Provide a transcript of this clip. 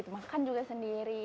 makan juga sendiri